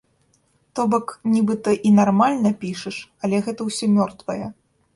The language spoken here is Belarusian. То бок, нібыта і нармальна пішаш, але гэта ўсё мёртвае.